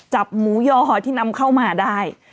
จับหมูยอหอที่นำเข้ามาได้